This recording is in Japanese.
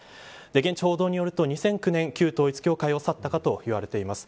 現地報道によると２００９年旧統一教会を去ったかと言われています。